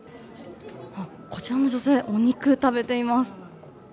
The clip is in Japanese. こちらの女性、お肉食べています。